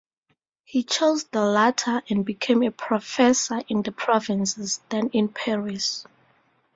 He chose the latter and became a professor in the provinces, then in Paris.